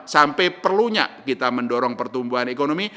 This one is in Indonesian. sampai perlunya kita mendorong pertumbuhan ekonomi